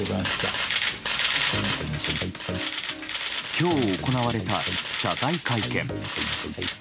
今日行われた謝罪会見。